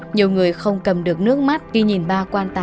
nhiều người không cầm được nước mắt ghi nhìn ba quan tâm